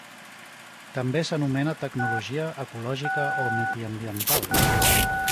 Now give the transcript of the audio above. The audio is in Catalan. També s'anomena tecnologia ecològica o mediambiental.